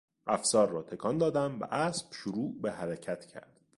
افسار را تکان دادم و اسب شروع به حرکت کرد.